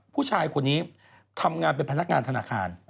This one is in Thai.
ผู้ชายคนนี้ทำงานเป็นพนักงานธนาคาร